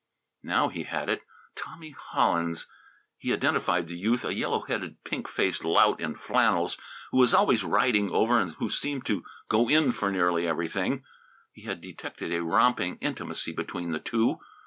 Now he had it! Tommy Hollins! He identified the youth, a yellow headed, pink faced lout in flannels who was always riding over, and who seemed to "go in" for nearly everything. He had detected a romping intimacy between the two.